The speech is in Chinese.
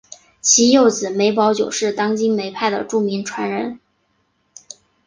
其幼子梅葆玖是当今梅派的著名传人。